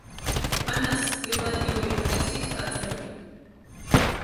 ანას ირლანდიური ეკლესიის ტაძრები.